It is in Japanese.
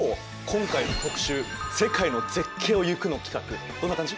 今回の特集「世界の絶景をゆく」の企画どんな感じ？